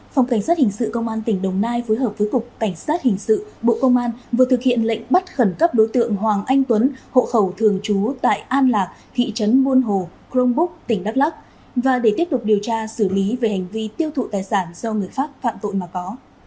phòng cảnh sát hình sự công an tỉnh đồng nai phối hợp với cục cảnh sát hình sự bộ công an vừa thực hiện lệnh bắt khẩn cấp đối tượng hoàng anh tuấn hộ khẩu thường trú tại an lạc thị trấn buôn hồ crong búc tỉnh đắk lắc và để tiếp tục điều tra xử lý về hành vi tiêu thụ tài sản do người pháp phạm tội mà có